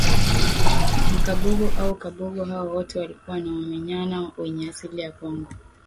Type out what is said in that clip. Mkabogo au Kabogo hao wote walikuwa ni wamanyema wenye asili ya kongo